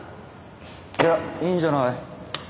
いやいいんじゃない？